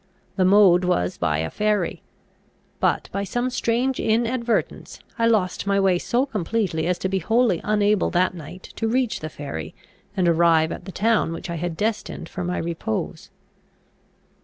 The mode was by a ferry; but, by some strange inadvertence, I lost my way so completely as to be wholly unable that night to reach the ferry, and arrive at the town which I had destined for my repose.